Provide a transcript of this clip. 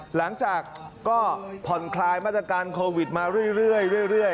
หลังจากก็ผ่อนคลายมาตรการโควิดมาเรื่อย